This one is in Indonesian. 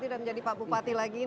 sudah menjadi pak bupati lagi